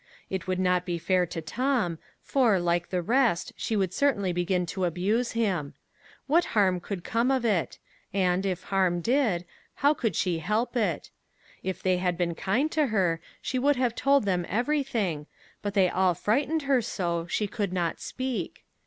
It would not be fair to Tom, for, like the rest, she would certainly begin to abuse him. What harm could come of it? and, if harm did, how could she help it! If they had been kind to her, she would have told them everything, but they all frightened her so, she could not speak.